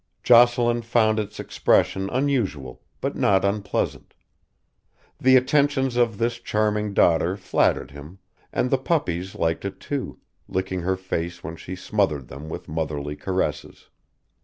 Jocelyn found its expression unusual but not unpleasant: the attentions of this charming daughter flattered him; and the puppies liked it, too, licking her face when she smothered them with motherly caresses.